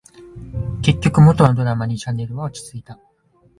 結局、元のドラマにチャンネルは落ち着いた